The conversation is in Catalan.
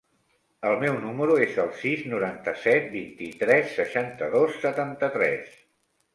El meu número es el sis, noranta-set, vint-i-tres, seixanta-dos, setanta-tres.